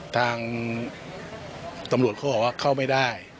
ทางตำรวจเขาบอกว่าเข้าไม่ได้